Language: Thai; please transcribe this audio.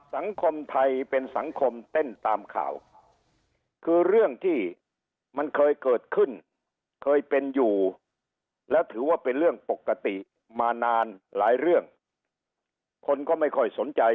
สังคมไทยเป็นสังคมเต้นตามข่าวคือเรื่องที่มันเคยเกิดขึ้นเคยเป็นอยู่แล้วถือว่าเป็นเรื่องปกติมานานหลายเรื่องคนก็ไม่ค่อยสนใจ